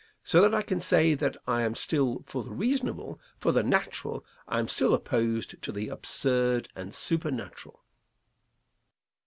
So that I can say that I am still for the reasonable, for the natural; and am still opposed to the absurd and supernatural.